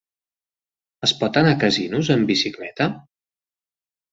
Es pot anar a Casinos amb bicicleta?